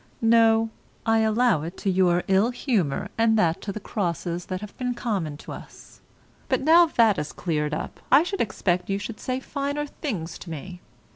No, I allow it to your ill humour, and that to the crosses that have been common to us; but now that is cleared up, I should expect you should say finer things to me.